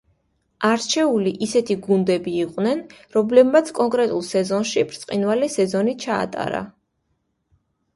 არჩეული ისეთი გუნდები იყვნენ, რომლებმაც კონკრეტულ სეზონში ბრწყინვალე სეზონი ჩაატარა.